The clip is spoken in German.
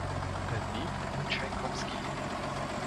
Er lebt in Tschaikowski.